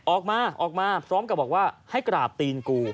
ออกมาออกมาพร้อมกับบอกว่าให้กราบตีนกู